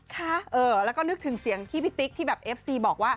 ค่ะเออแล้วก็นึกถึงเสียงที่พี่ติ๊กที่แบบเอฟซีบอกว่า